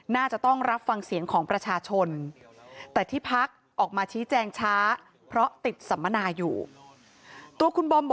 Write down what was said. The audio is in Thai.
น่าจะต้องรับฟังเสียงของประชาชน